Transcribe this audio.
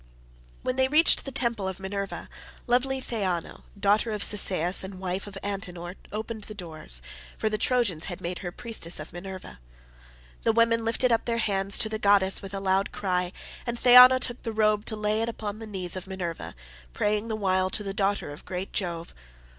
When they reached the temple of Minerva, lovely Theano, daughter of Cisseus and wife of Antenor, opened the doors, for the Trojans had made her priestess of Minerva. The women lifted up their hands to the goddess with a loud cry, and Theano took the robe to lay it upon the knees of Minerva, praying the while to the daughter of great Jove.